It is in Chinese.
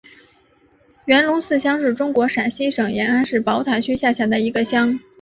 元龙寺乡是中国陕西省延安市宝塔区下辖的一个乡。